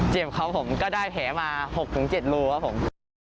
ครับผมก็ได้แผลมา๖๗รูครับผม